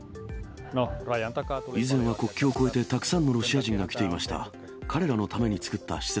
以前は国境を越えて、たくさんのロシア人が来ていました。